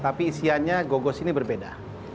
tapi isiannya gogos ini berbeda